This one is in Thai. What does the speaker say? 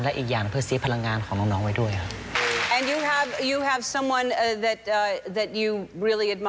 และอีกอย่างเพื่อซื้อพลังงานของน้องไว้ด้วยครับ